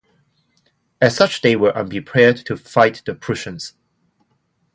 As such they were unprepared to fight the Prussians.